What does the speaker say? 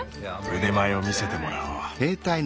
腕前を見せてもらおう。